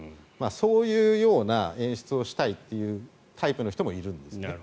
そういうような演出をしたいというタイプの人もいるんですね。